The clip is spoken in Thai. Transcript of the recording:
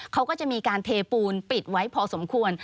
เขาก็จะมีการเทปูนปิดไว้พอสมควร